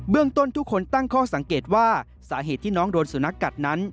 ต้นทุกคนตั้งข้อสังเกตว่าสาเหตุที่น้องโดนสุนัขกัดนั้น